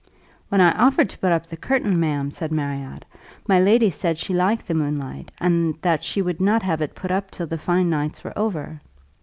"When I offered to put up the curtain, ma'am," said Marriott, "my lady said she liked the moonlight, and that she would not have it put up till the fine nights were over.